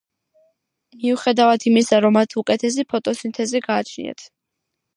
მიუხედავად იმისა, რომ მათ უკეთესი ფოტოსინთეზი გააჩნიათ.